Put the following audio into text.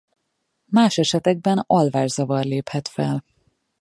Más esetekben alvászavar léphet fel.